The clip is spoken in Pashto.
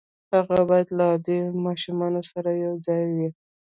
هغه بايد له عادي ماشومانو سره يو ځای وي.